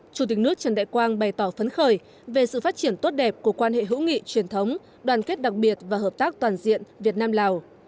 chủ tịch nước trần đại quang bày tỏ phấn khởi về sự phát triển tốt đẹp của quan hệ hữu nghị truyền thống đoàn kết đặc biệt và hợp tác toàn diện việt nam lào